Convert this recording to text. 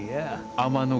天の川。